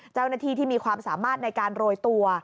เจ้าหน้าที่ที่มีความสามารถในการโรยตัว